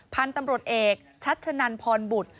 พันธุ์ตำรวจเอกชัชนันพรบุตร